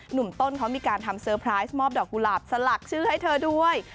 หนุ่มต้นเขามีการทำเซอร์ไพรส์มอบดอกกุหลาบสลักชื่อให้เธอด้วย